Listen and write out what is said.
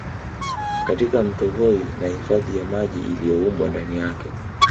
Katika Mto Voi na hifadhi ya maji iliyoumbwa ndani yake